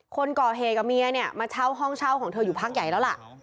คนก่อเหตุกับเมียเนี่ยมาเช่าห้องเช่าของเธออยู่พักใหญ่แล้วล่ะ